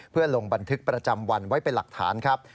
เพื่อลงบันทึกประจำวันไว้เป็นหลักฐานครับ